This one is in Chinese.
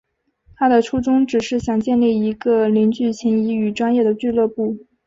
他的初衷只是想建立一个凝聚情谊与专业的俱乐部。